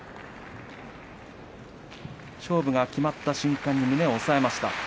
勝負が決まった瞬間に胸を押さえました。